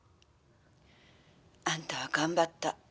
「あんたは頑張った。